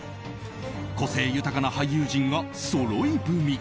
個性豊かな俳優陣がそろい踏み。